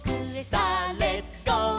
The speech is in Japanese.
「さあレッツゴー！」